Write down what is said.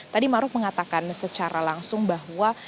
tadi maruf mengatakan secara langsung bahwa